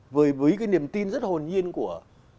với cái niềm tin rất hồn nhiên của